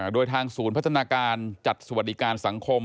โดยทางศูนย์พัฒนาการจัดสวัสดิการสังคม